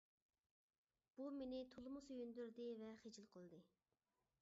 بۇ مېنى تولىمۇ سۆيۈندۈردى ۋە خىجىل قىلدى.